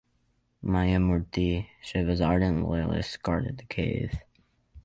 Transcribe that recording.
Mayamurthi, Shiva's ardent loyalist, guarded the cave.